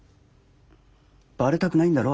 バレたくないんだろ？